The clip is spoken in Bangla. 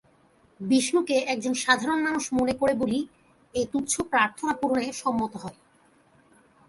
বিষ্ণুকে একজন সাধারণ মানুষ মনে করে বলি এ তুচ্ছ প্রার্থনা পূরণে সম্মত হয়।